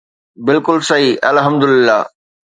بلڪل صحيح الحمدلله